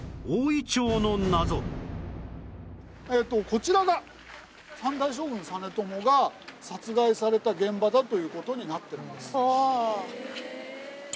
こちらが三代将軍実朝が殺害された現場だという事になってるんです。